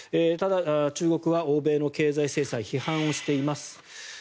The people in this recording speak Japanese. ただ、中国は欧米の経済制裁批判をしています。